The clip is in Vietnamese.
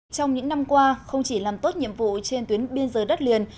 trong những năm qua không chỉ làm tốt nhiệm vụ trên tuyến biên giới đất liền